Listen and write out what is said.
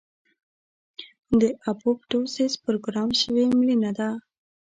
د اپوپټوسس پروګرام شوې مړینه ده.